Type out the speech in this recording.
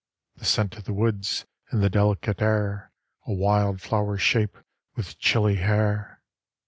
The Scent of the Woods in the delicate air, A wild flower shape with chilly hair.